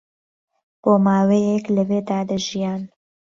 بۆ ماوەیەک لەوێدا دەژیان